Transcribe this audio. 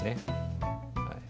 はい。